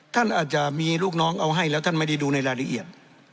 ท่านอาจจะมีลูกน้องเอาให้แล้วท่านไม่ได้ดูในรายละเอียด